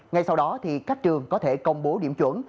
ngay sau đó thì các trường có thể công bố điểm chuẩn